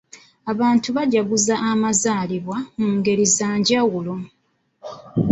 Abantu bajaguza amazaalibwa mu ngeri za njawulo.